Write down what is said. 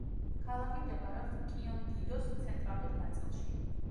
ქალაქი მდებარეობს კიონგიდოს ცენტრალურ ნაწილში.